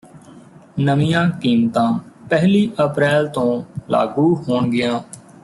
ਨਵੀਆਂ ਕੀਮਤਾਂ ਪਹਿਲੀ ਅਪਰੈਲ ਤੋਂ ਲਾਗੂ ਹੋਣਗੀਆਂ